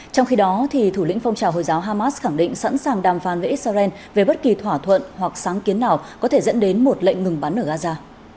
trong khi đó thủ lĩnh phong trào hồi giáo hamas khẳng định sẵn sàng đàm phán với israel về bất kỳ thỏa thuận hoặc sáng kiến nào có thể dẫn đến một lệnh ngừng bắn ở gaza